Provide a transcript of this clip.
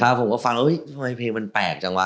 แล้วผมก็ฟังว่าเฮ้ยทำไมเพลงมันแปลกจังวะ